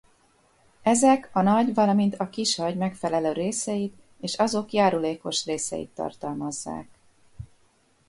Ezek a nagy- valamint a kisagy megfelelő részeit és azok járulékos részeit tartalmazzák.